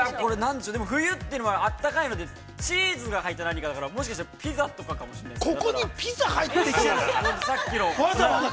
◆冬というのは暖かいのでチーズが入った何かだから、もしかしたらピザとかかもしれないですね。